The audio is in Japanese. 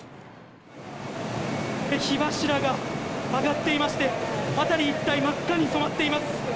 火柱が上がっていまして辺り一帯真っ赤に染まっています。